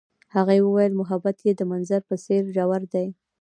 هغې وویل محبت یې د منظر په څېر ژور دی.